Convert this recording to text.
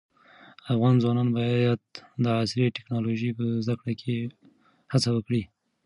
افغان ځوانان باید د عصري ټیکنالوژۍ په زده کړه کې هڅه وکړي.